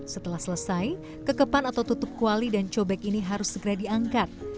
setelah selesai kekepan atau tutup kuali dan cobek ini harus segera diangkat